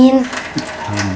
untuk menguruskan uangnya